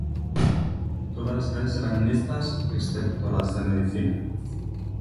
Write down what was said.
Todas las clases eran mixtas excepto las de medicina.